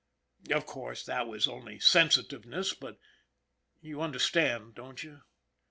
Of course, that was only sen sitiveness, but you understand, don't you?